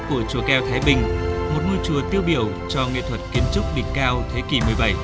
của chùa keo thái bình một ngôi chùa tiêu biểu cho nghệ thuật kiến trúc đỉnh cao thế kỷ một mươi bảy